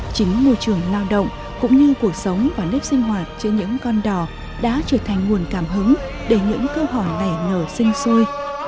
chính môi trường lao động cũng như cuộc sống và nếp sinh hoạt trên những con đỏ đã trở thành nguồn cảm hứng để những cơ hội này nở sinh xuôi